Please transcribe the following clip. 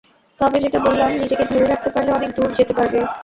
তবে যেটা বললাম, নিজেকে ধরে রাখতে পারলে অনেক দূর যেতে পারবে।